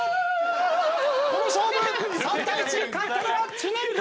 この勝負３対１勝ったのは知念君！